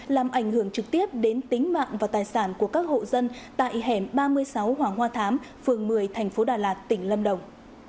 làm ảnh hưởng trực tiếp đến tính mạng và tài sản của các hộ dân tại hẻm ba mươi sáu hoàng hoa thám phường một mươi thành phố đà lạt tỉnh lâm đồng